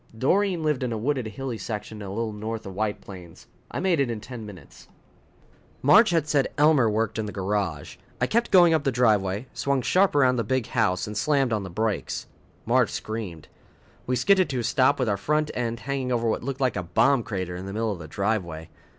Doreen lived in a wooded, hilly section a little north of White Plains. I made it in ten minutes. Marge had said Elmer worked in the garage. I kept going up the driveway, swung sharp around the big house and slammed on the brakes. Marge screamed. We skidded to a stop with our front end hanging over what looked like a bomb crater in the middle of the driveway.